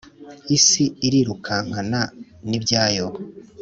Isi irirukankana nibyayo